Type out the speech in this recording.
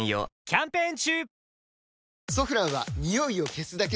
キャンペーン中！